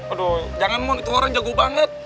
aduh jangan mohon itu orang jago banget